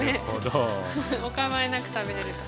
お構いなく食べれるところ。